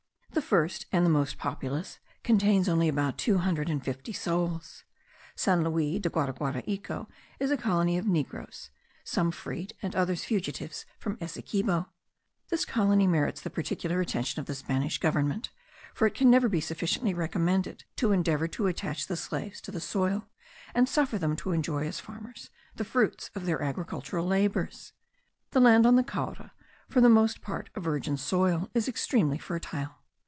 The first and the most populous contains only about two hundred and fifty souls. San Luis de Guaraguaraico is a colony of negroes, some freed and others fugitives from Essequibo. This colony merits the particular attention of the Spanish Government, for it can never be sufficiently recommended to endeavour to attach the slaves to the soil, and suffer them to enjoy as farmers the fruits of their agricultural labours. The land on the Caura, for the most part a virgin soil, is extremely fertile.